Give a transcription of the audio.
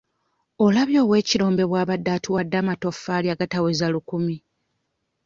Olabye ow'ekirombe bw'abadde atuwadde amatofaali agataweze lukumi?